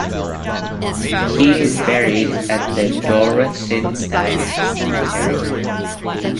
He is buried at the Dorotheenstadt Cemetery.